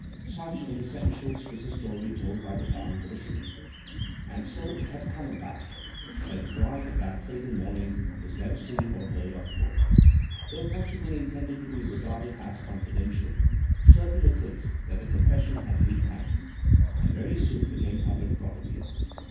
Such, in essentials, was the story told by the dying fisherman, and so it had come about that the bride of that fatal morning was never seen or heard of more. Though possibly intended to be regarded as confidential, certain it is that the confession had leaked out, and very soon became public property.